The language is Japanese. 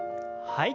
はい。